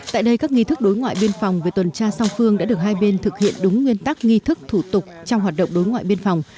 tại đây các nghi thức đối ngoại biên phòng về tuần tra song phương đã được hai bên thực hiện đúng nguyên tắc nghi thức thủ tục trong hoạt động đối ngoại biên phòng